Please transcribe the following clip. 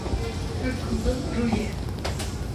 Wek ku gul, rû ye